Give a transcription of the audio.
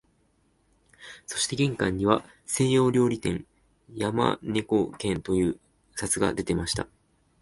そして玄関には西洋料理店、山猫軒という札がでていました